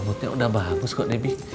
botnya udah bagus kok debbie